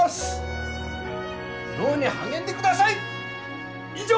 漁に励んでください！以上！